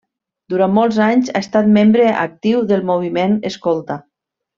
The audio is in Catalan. Durant molts anys, ha estat membre actiu del moviment escolta.